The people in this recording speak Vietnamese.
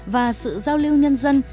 và sự giao lưu nhân dân